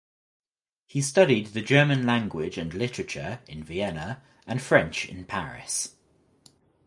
He studied the German language and literature in Vienna and French in Paris.